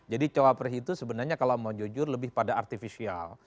jadi cowapress itu sebenarnya kalau mau jujur lebih pada artificial